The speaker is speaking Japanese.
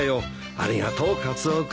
ありがとうカツオ君。